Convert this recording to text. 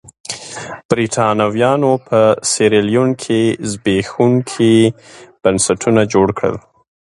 برېټانویانو په سیریلیون کې زبېښونکي بنسټونه جوړ کړل.